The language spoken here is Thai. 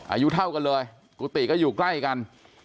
อายุเท่ากันเลยกุฏิก็อยู่ใกล้กัน